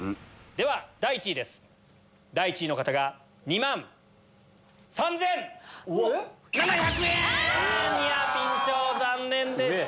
では第１位です第１位の方が２万３千７００円！ニアピン賞残念でした。